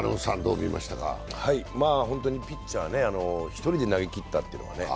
本当にピッチャー一人で投げきったっていうね。